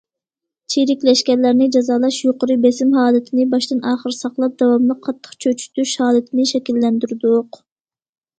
چىرىكلەشكەنلەرنى جازالاش يۇقىرى بېسىم ھالىتىنى باشتىن- ئاخىر ساقلاپ، داۋاملىق قاتتىق چۆچۈتۈش ھالىتىنى شەكىللەندۈردۇق.